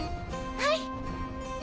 はい。